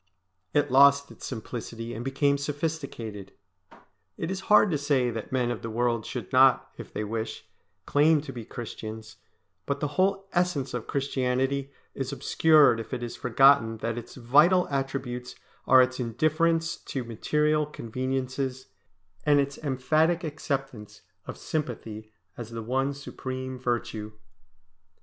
It lost its simplicity and became sophisticated. It is hard to say that men of the world should not, if they wish, claim to be Christians, but the whole essence of Christianity is obscured if it is forgotten that its vital attributes are its indifference to material conveniences, and its emphatic acceptance of sympathy as the one supreme virtue.